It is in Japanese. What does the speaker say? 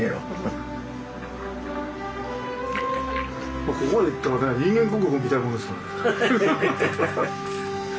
もうここまでいったらね人間国宝みたいなもんですからね。